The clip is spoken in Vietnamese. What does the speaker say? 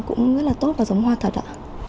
cũng rất là tốt và giống hoa thật ạ